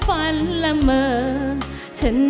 เพลงแรกของเจ้าเอ๋ง